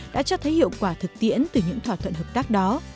đã cho thấy hiệu quả thực tiễn từ những thỏa thuận hợp tác đó